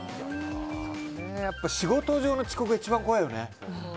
やっぱり仕事上の遅刻が一番怖いよね。